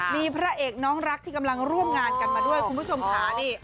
มีพระเอกน้องรักที่กำลังร่วมงานกันมาด้วยคุณผู้ชมค่ะนี่